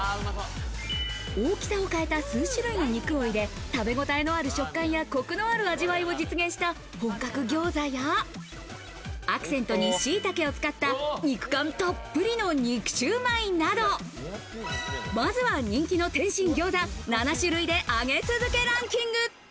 大きさを変えた数種類の肉を入れ食べごたえのある食感やコクのある味わいを実現した本格餃子や、アクセントに、しいたけを使った肉感たっぷりの「肉シュウマイ」など、まずは人気の点心・餃子７種類で上げ続けランキング。